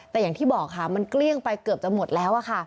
แต่อย่างที่บอกค่ะมันเกลี้ยงไปเกือบจะหมดแล้วค่ะ